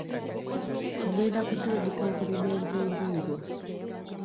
Ngenda kutandika okulima enva endiirwa.